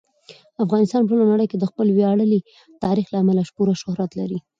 افغانستان په ټوله نړۍ کې د خپل ویاړلي تاریخ له امله پوره شهرت لري.